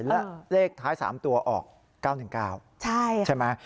และเลขท้าย๓ตัวออก๙๑๙ใช่ไหม